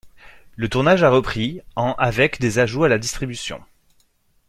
Le tournage a repris en avec des ajouts à la distribution.